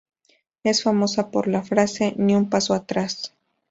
Es famosa por la frase "¡Ni un paso atrás!